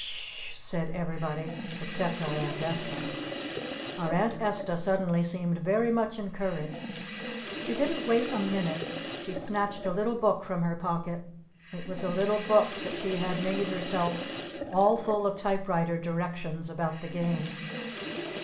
"S s h!" said everybody except our Aunt Esta. Our Aunt Esta suddenly seemed very much encouraged. She didn't wait a minute. She snatched a little book from her pocket. It was a little book that she had made herself all full of typewriter directions about the Game.